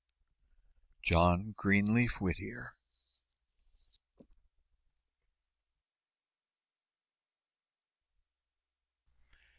JOHN GREENLEAF WHITTIER.